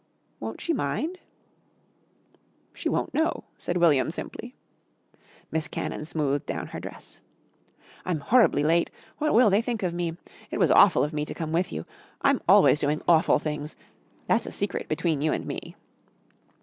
"Won't she mind?" "She won't know," said William simply. Miss Cannon smoothed down her dress. "I'm horribly late. What will they think of me? It was awful of me to come with you. I'm always doing awful things. That's a secret between you and me."